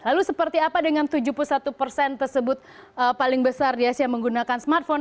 lalu seperti apa dengan tujuh puluh satu persen tersebut paling besar di asia menggunakan smartphone